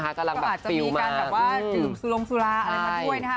ก็อาจจะมีการแบบถึงสุรมสุราอะไรมาด้วยนะคะ